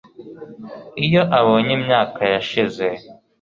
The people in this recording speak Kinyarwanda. iyo abonye imyaka yashize